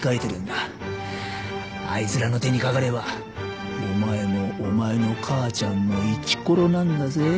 あいつらの手にかかればお前もお前の母ちゃんもイチコロなんだぜ？